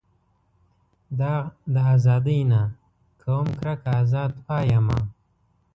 داغ د ازادۍ نه کوم کرکه ازاد پایمه.